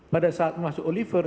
pada saat masuk oliver